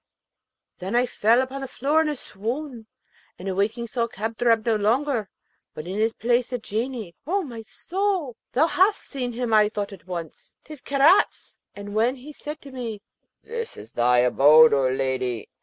Then I fell upon the floor in a swoon, and awaking saw Kadrab no longer, but in his place a Genie. O my soul, thou halt seen him! I thought at once, ''tis Karaz!' and when he said to me, 'This is thy abode, O lady!